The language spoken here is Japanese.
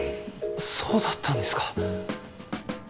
そうだったんですか。